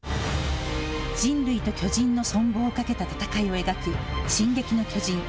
人類と巨人の存亡をかけた戦いを描く進撃の巨人。